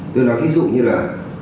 tôi nói ví dụ như là